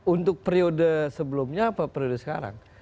untuk periode sebelumnya apa periode sekarang